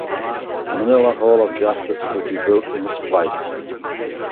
The Manila Hall of Justice will be built in its place.